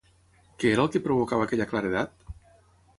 Què era el que provocava aquella claredat?